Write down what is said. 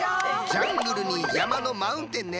ジャングルに山のマウンテンね。